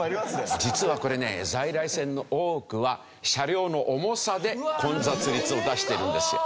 実はこれね在来線の多くは車両の重さで混雑率を出してるんですよ。